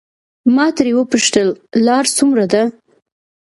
ما ترې وپوښتل لار څومره ده.